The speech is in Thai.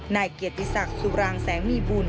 นายเกียรติศักดิ์สุรางแสงมีบุญ